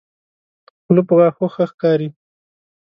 خله په غاښو ښه ښکاري.